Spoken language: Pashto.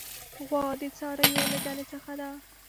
غوا د څارویو له ډلې څخه ده.